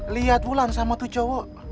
liat wulan sama tuh cowok